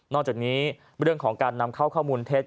จากนี้เรื่องของการนำเข้าข้อมูลเท็จ